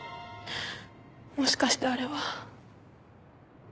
もしかしてあれは。